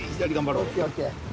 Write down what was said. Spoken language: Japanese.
ＯＫＯＫ。